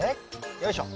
よいしょ。